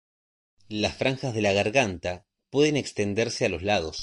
Las franjas de la garganta pueden extenderse a los lados.